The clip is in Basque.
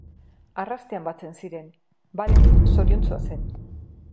Arrastian batzen ziren, Valery zoriontsua zen.